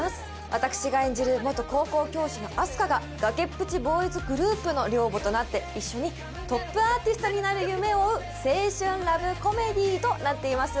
私が演じる元高校教師のあす花が崖っぷちボーイズグループの寮母となって一緒にトップアーティストになる夢を追う青春ラブコメディとなっています